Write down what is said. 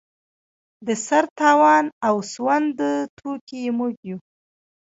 د سر تاوان او سوند توکي یې موږ یو.